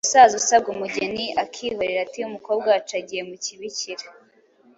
umusaza usabwa umugeni akihorera ati: “Umukobwa wacu yagiye mu kibikira”,